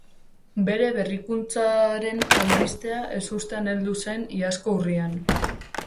Bere berrikuntzaren albistea ezustean heldu zen iazko urrian.